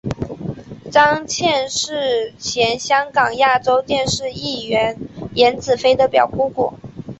张茜是前香港亚洲电视艺员颜子菲的表姑姑。